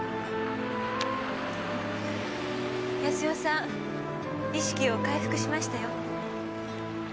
康代さん意識を回復しましたよ。